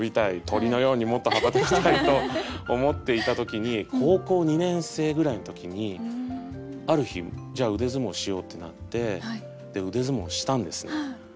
鳥のようにもっと羽ばたきたいと思っていた時に高校２年生ぐらいの時にある日「じゃあ腕相撲しよう」ってなって腕相撲したんですね。